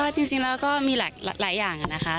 จริงแล้วก็มีหลายอย่างนะคะ